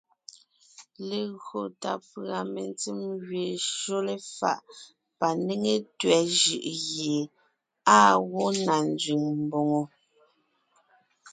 Legÿo tà pʉ̀a mentsèm gẅeen shÿó léfaʼ panéŋe tẅɛ̀ jʉʼ gie àa gwó na nzẅìŋ mbòŋo.